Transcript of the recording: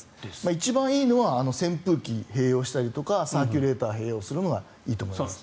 一番いいのは扇風機を併用したりとかサーキュレーター併用をするのはいいと思います。